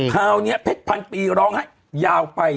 คราวนี้เพชรพันปีร้องไห้